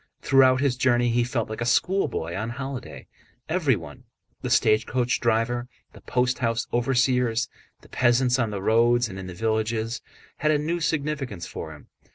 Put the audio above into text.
Throughout his journey he felt like a schoolboy on holiday. Everyone—the stagecoach driver, the post house overseers, the peasants on the roads and in the villages—had a new significance for him.